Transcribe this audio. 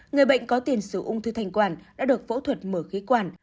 người bệnh có tiền sử ung thư thành quản đã được phẫu thuật mở khí quản